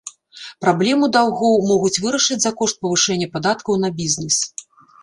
Праблему даўгоў могуць вырашыць за кошт павышэння падаткаў на бізнес.